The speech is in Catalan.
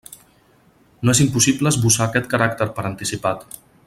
No és impossible esbossar aquest caràcter per anticipat.